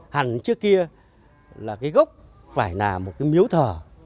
hẳn trước kia là cái gốc phải là một cái miếu thờ